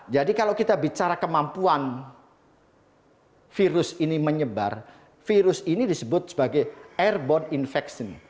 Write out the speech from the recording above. jadi kalau kita bicara kemampuan virus ini menyebar virus ini disebut sebagai airborne infection